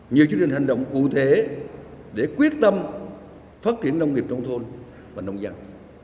nhiều chương trình hành động cụ thể để quyết tâm phát triển nông nghiệp nông thôn và nông dân